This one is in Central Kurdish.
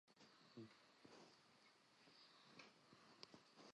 چەند ڕەمزێکی بێسیمی دەوڵەتی ڕاگەیاند کە: